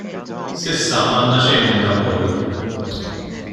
S'issa m'għandna xejn minn dan kollu.